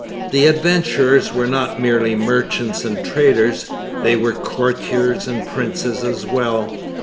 The adventurers were not merely merchants and traders; they were courtiers and princes as well.